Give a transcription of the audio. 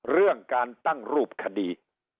เรื่องการตั้งรูปคดี